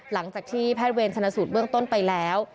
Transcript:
หลังจากที่แพทย์เวรชนะสูตรเบื้องต้นไปแล้ว